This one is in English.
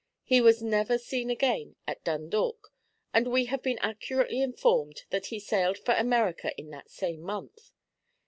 He was never seen again at Dundalk, and we have been accurately informed that he sailed for America in that same month.